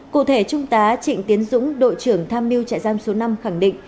cụ thể trung tá trịnh tiến dũng đội trưởng tham mưu trại giam số năm khẳng định